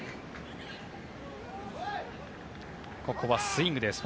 ここはスイングです。